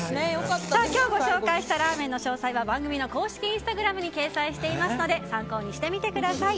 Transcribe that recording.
今日ご紹介したラーメンの詳細は番組公式インスタグラムに掲載していますので参考にしてみてください。